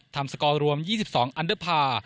ทำสกรวม๒๒อันเดอร์พาร์